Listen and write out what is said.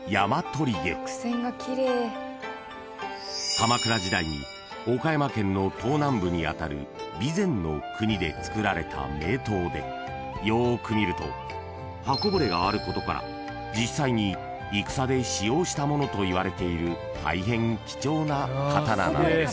［鎌倉時代に岡山県の東南部にあたる備前国で作られた名刀でよーく見ると刃こぼれがあることから実際に戦で使用したものといわれている大変貴重な刀なんです］